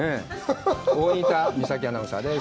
大仁田美咲アナウンサーです。